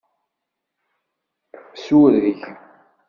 Sureg.